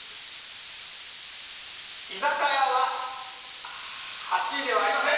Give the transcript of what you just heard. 居酒屋は８位ではありません！